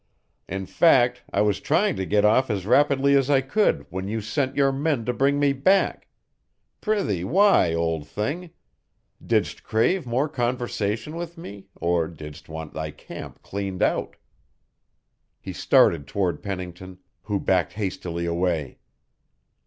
In fact, I was trying to get off as rapidly as I could when you sent your men to bring me back. Prithee why, old thing? Didst crave more conversation with me, or didst want thy camp cleaned out?" He started toward Pennington, who backed hastily away.